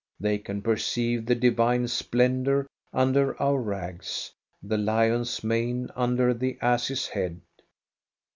They can perceive the divine splendor under our rags, the lion's mane under the ass's head.